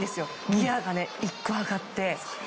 ギアが１個上がって。